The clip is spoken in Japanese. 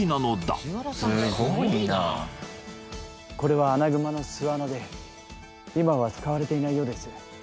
すごいなすごいなこれはアナグマの巣穴で今は使われていないようです